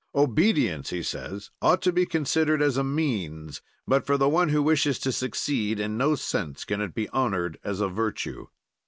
"Obedience," he says, "ought to be considered as a means; but, for the one who wishes to succeed, in no sense can it be honored as a virtue.